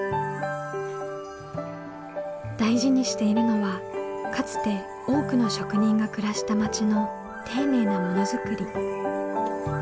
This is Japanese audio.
大事にしているのはかつて多くの職人が暮らした町の丁寧なものづくり。